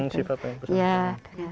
syifa pengen pesantren